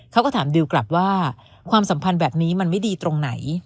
เขาก็ถามดิวกลับว่าความสัมพันธ์แบบนี้มันไม่ดีตรงไหน